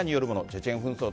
チェチェン紛争